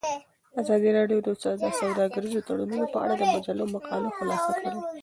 ازادي راډیو د سوداګریز تړونونه په اړه د مجلو مقالو خلاصه کړې.